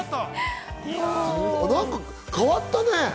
何か変わったね。